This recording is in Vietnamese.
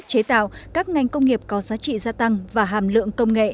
chế tạo các ngành công nghiệp có giá trị gia tăng và hàm lượng công nghệ